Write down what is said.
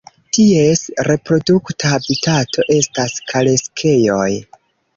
Ties reprodukta habitato estas kareksejoj.